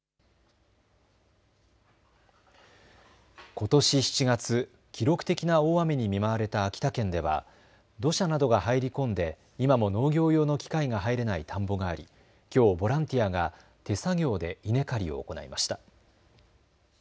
ことし７月、記録的な大雨に見舞われた秋田県では土砂などが入り込んで今も農業用の機械が入れない田んぼがありきょう、ボランティアが手作業で稲刈りを行いました。